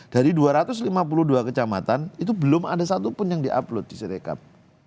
dari dua ratus lima puluh dua kecamatan itu belum ada satupun yang di upload di sirekap